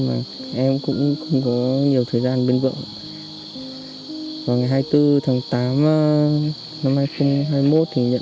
đấy con chúc bố vi tắc tốt nhé